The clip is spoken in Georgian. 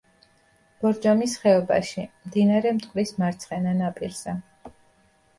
ბორჯომის ხეობაში, მდინარე მტკვრის მარცხენა ნაპირზე.